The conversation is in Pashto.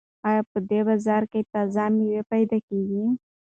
ایا په دې بازار کې تازه مېوې پیدا کیږي؟